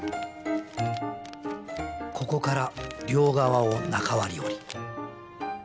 ここから両側を中割り折り。